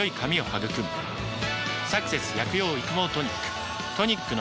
「サクセス薬用育毛トニック」